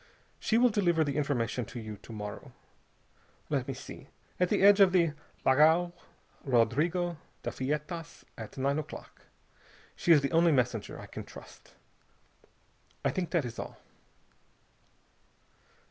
She will deliver the information to you to morrow. Let me see. At the edge of the Lagao Rodrigo de Feitas, at nine o'clock. She is the only messenger I can trust. I think that is all."